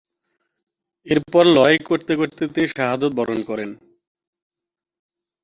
এরপর লড়াই করতে করতে তিনি শাহাদাত বরণ করেন।